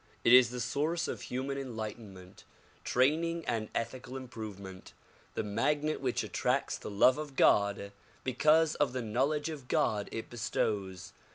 It is the source of human enlightenment, training and ethical improvement; the magnet which attracts the love of God because of the knowledge of God it bestows.